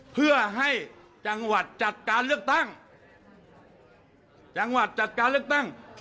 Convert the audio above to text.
เพื่อให้จังหวัดจัดการเลือกตั้ง